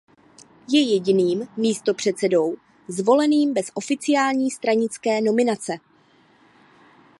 Je jediným místopředsedou zvoleným bez oficiální stranické nominace.